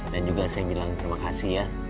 dan juga saya bilang terima kasih ya